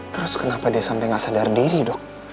terus kenapa dia sampai nggak sadar diri dok